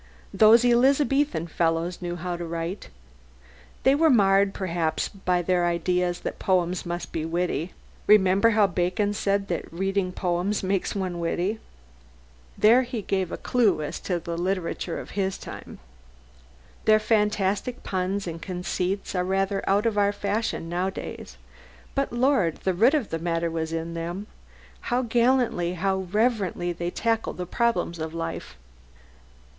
Those Elizabethan fellows knew how to write! They were marred perhaps by their idea that poems must be "witty." (Remember how Bacon said that reading poets makes one witty? There he gave a clue to the literature of his time.) Their fantastic puns and conceits are rather out of our fashion nowadays. But Lord! the root of the matter was in them! How gallantly, how reverently, they tackle the problems of life!